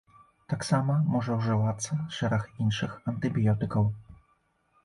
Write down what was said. Таксама можа ўжывацца шэраг іншых антыбіётыкаў.